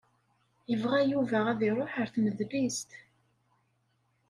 Yebɣa Yuba ad iṛuḥ ar tnedlist.